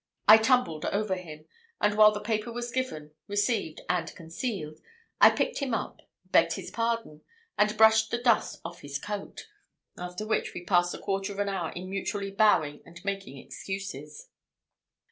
I tumbled over him; and while the paper was given, received, and concealed, I picked him up, begged his pardon, and brushed the dust off his coat; after which we passed a quarter of an hour in mutually bowing and making excuses.